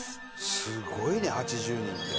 すごいね８０人って。